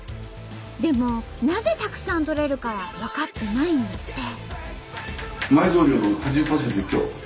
でもなぜたくさん採れるかは分かってないんだって。